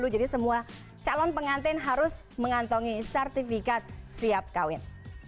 jadi semua calon pengantin harus mengantongi sertifikat siap kawin